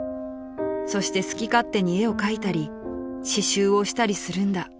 ［「そして好き勝手に絵を描いたり刺しゅうをしたりするんだ」］